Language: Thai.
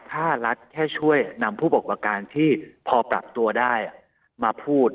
ถ้ารัฐแค่ช่วยนำผู้ประกอบการที่พอปรับตัวได้มาพูด